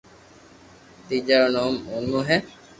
تيجا رو نوم مونو ھي